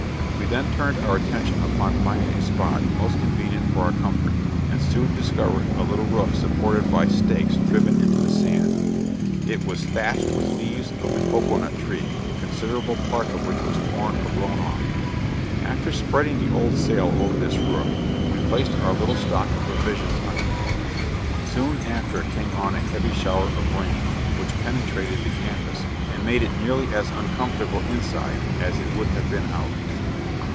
We then turned our attention upon finding a spot most convenient for our comfort, and soon discovered a little roof supported by stakes driven into the sand; it was thatched with leaves of the cocoa nut tree, considerable part of which was torn or blown off. After spreading the old sail over this roof, we placed our little stock of provisions under it. Soon after came on a heavy shower of rain which penetrated the canvas, and made it nearly as uncomfortable inside, as it would have been out.